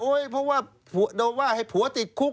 เพราะว่าโดนว่าให้ผัวติดคุก